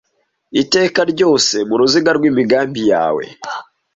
Iteka ryose. Mu ruziga rw'imigambi yawe